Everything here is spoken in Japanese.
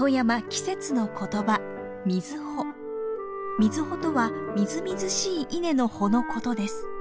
瑞穂とはみずみずしい稲の穂のことです。